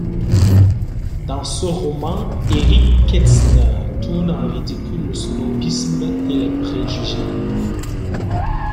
Dans ce roman Erich Kästner tourne en ridicule le snobisme et les préjugés.